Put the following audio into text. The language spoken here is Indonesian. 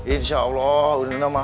insya allah ini mah